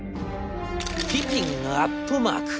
ピピンアットマーク。